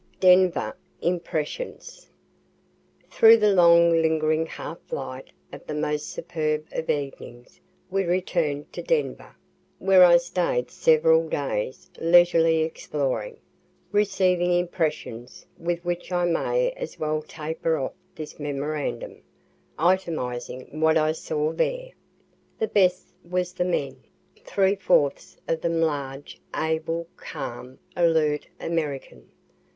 DENVER IMPRESSIONS Through the long lingering half light of the most superb of evenings we return'd to Denver, where I staid several days leisurely exploring, receiving impressions, with which I may as well taper off this memorandum, itemizing what I saw there. The best was the men, three fourths of them large, able, calm, alert, American.